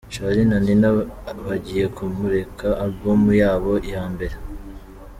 Charly na Nina bagiye kumurika album yabo ya mbere.